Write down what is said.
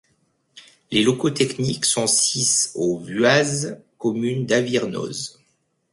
Les locaux techniques sont sis au Vuaz, commune d'Aviernoz.